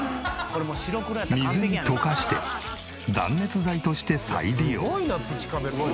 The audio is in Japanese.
水に溶かして断熱材として再利用。